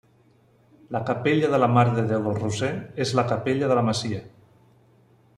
La Capella de la Mare de Déu del Roser és la capella de la masia.